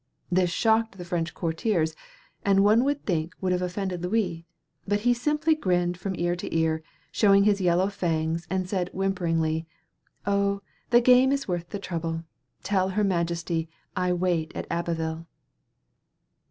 This shocked the French courtiers, and one would think would have offended Louis, but he simply grinned from ear to ear, showing his yellow fangs, and said whimperingly: "Oh, the game is worth the trouble. Tell her majesty I wait at Abbeville."